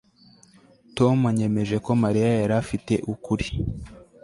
Tom anyemeje ko Mariya yari afite ukuri